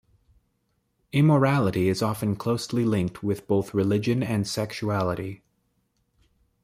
Immorality is often closely linked with both religion and sexuality.